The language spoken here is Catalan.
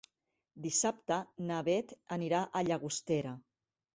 Dissabte na Beth anirà a Llagostera.